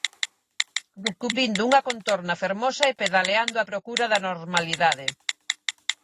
Descubrindo unha contorna fermosa e pedaleando á procura da normalidade.